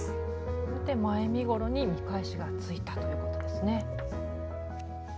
これで前身ごろに見返しがついたということですね。